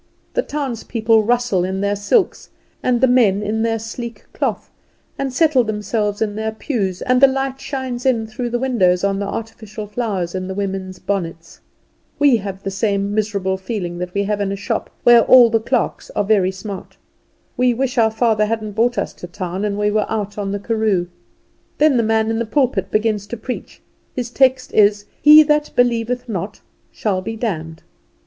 The townspeople rustle in their silks, and the men in their sleek cloth, and settle themselves in their pews, and the light shines in through the windows on the artificial flowers in the women's bonnets. We have the same miserable feeling that we have in a shop where all the clerks are very smart. We wish our father hadn't brought us to town, and we were out on the karoo. Then the man in the pulpit begins to preach. His text is "He that believeth not shall be damned."